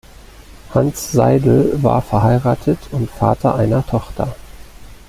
Hans Seidel war verheiratet und Vater einer Tochter.